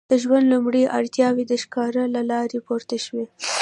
د ژوند لومړنۍ اړتیاوې د ښکار له لارې پوره شوې.